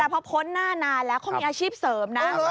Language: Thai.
พอพ้นหน้านานแล้วเขามีอาชีพเสริมนะ